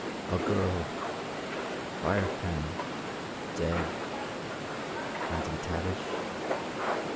"A girl ... Firepan ... dead ... haunting Tavish...."